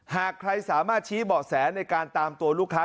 หากใครสามารถชี้เบาะแสในการตามตัวลูกค้า